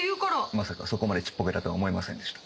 まさかそこまでちっぽけだとは思いませんでした。